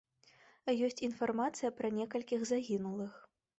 Ёсць інфармацыя пра некалькіх загінулых.